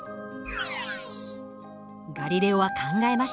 ガリレオは考えました。